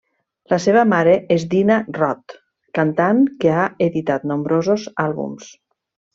La seva mare és Dina Rot, cantant que ha editat nombrosos àlbums.